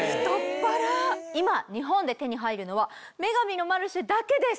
今日本で手に入るのは『女神のマルシェ』だけです！